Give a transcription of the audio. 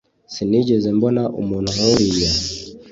Sinigeze mbona umuntu nkuriya